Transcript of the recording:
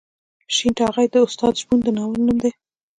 شین ټاغی د استاد شپون د ناول نوم دی.